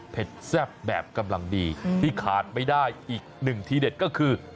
แซ่บแบบกำลังดีที่ขาดไม่ได้อีกหนึ่งทีเด็ดก็คือ